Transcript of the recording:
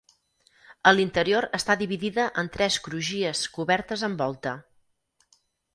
A l'interior està dividida en tres crugies cobertes amb volta.